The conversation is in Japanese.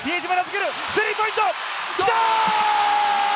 スリーポイント、きた！